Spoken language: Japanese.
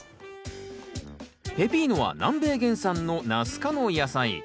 ペピーノは南米原産のナス科の野菜。